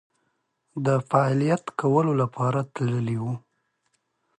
د فعالیت کولو لپاره تللي وو.